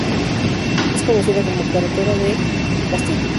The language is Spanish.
Es conocida como carretera de Castilla.